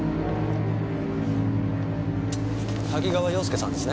多岐川洋介さんですね？